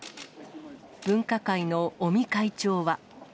分科会の尾身会長は。